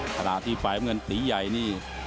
ขณะที่ฝ่ายเมืองสีใหญ่นี่